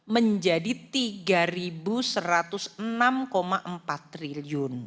menjadi rp tiga satu ratus enam empat triliun